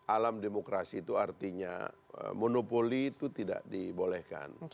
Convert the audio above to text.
alam demokrasi itu artinya monopoli itu tidak dibolehkan